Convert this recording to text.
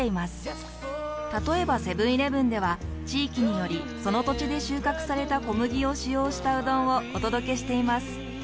例えばセブンーイレブンでは地域によりその土地で収穫された小麦を使用したうどんをお届けしています。